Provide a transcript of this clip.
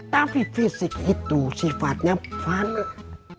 tapi fisik itu sifatnya panik